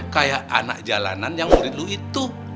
kayak anak jalanan yang murid lu itu